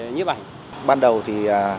nhếp ảnh ban đầu thì